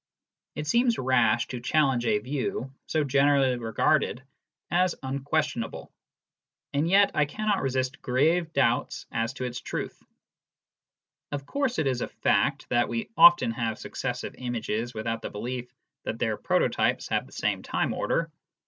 It seems rash to challenge a view so generally regarded as unquestionable, and yet I cannot resist grave doubts as to its truth. Of course it is a fact that we often have successive images without the belief that their prototypes have the same time order.